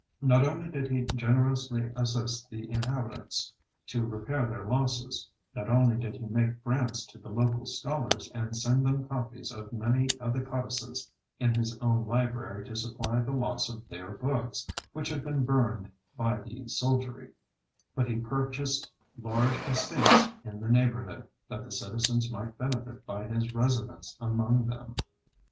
Not only did he generously assist the inhabitants to repair their losses, not only did he make grants to the local scholars and send them copies of many of the codices in his own library to supply the loss of their books which had been burned by the soldiery, but he purchased large estates in the neighborhood, that the citizens might benefit by his residence among them.